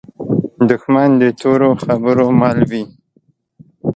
دښمن د تورو خبرو مل وي